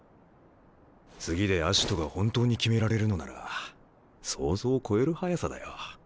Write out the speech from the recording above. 次でアシトが本当に決められるのなら想像を超える早さだよ。